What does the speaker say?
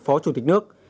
phó chủ tịch nước